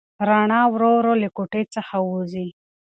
رڼا ورو ورو له کوټې څخه وځي.